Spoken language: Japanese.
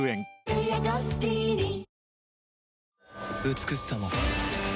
美しさも